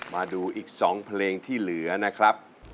มาดูอีก๒เพลงที่เหลือนะครับ